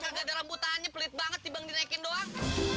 gak ada rambutannya pelit banget dibang dinaikin doang